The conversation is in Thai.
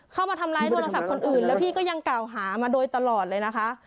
เข้ามาทำร้ายโทรศัพท์คนอื่นแล้วพี่ก็ยังกล่าวหามาโดยตลอดเลยนะคะ